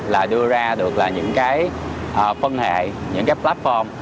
là đưa ra được là những cái phân hệ những cái platform